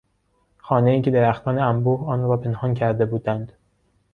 خانهای که درختان انبوه آن را پنهان کرده بودند